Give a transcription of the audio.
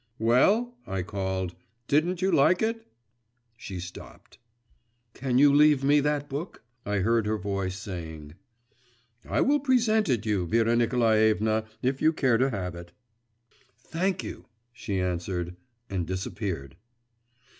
'Well?' I called 'didn't you like it?' She stopped. 'Can you leave me that book?' I heard her voice saying. 'I will present it you, Vera Nikolaevna, if you care to have it.' 'Thank you!' she answered, and disappeared.